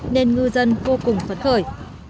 nên ngư dân vô cùng phấn khởi